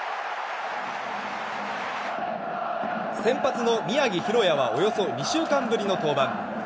先発の宮城大弥はおよそ２週間ぶりの登板。